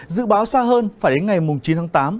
dự báo xa hơn phải đến ngày chín tháng tám